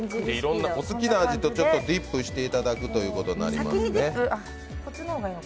好きな味とディップしていただくことになりますね。